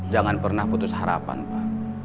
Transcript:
jangan pernah putus harapan pak